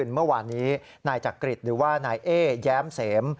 เมื่อวานนี้นายจักริตหรือว่านายเอ๊แย้มเสม